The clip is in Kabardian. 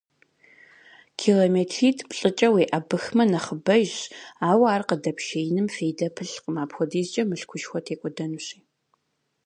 Километритӏ-плӏыкӏэ уеӏэбыхмэ нэхъыбэжщ, ауэ ар къыдэпшеиным фейдэ пылъкъым, апхуэдизкӏэ мылъкушхуэ текӏуэдэнущи.